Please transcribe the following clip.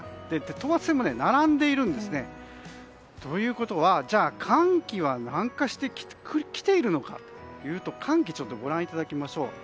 等圧線も並んでいるんですね。ということは寒気は南下してきているのかというと寒気をご覧いただきましょう。